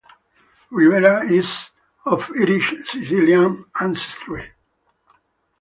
Rivera is of Irish-Sicilian ancestry.